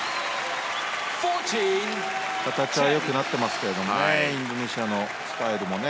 形は良くなってますけどねインドネシアのスタイルもね。